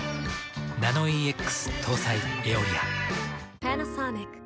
ナノイーＸ搭載「エオリア」。